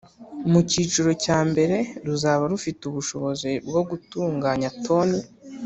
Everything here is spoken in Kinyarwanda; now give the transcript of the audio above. Mu cyiciro cya mbere ruzaba rufite ubushobozi bwo gutunganya toni